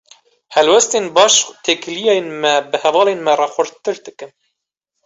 Helwestên baş, têkiliyên me bi hevalên me re xurttir dikin.